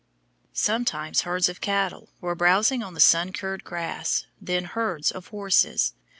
Sometimes herds of cattle were browsing on the sun cured grass, then herds of horses.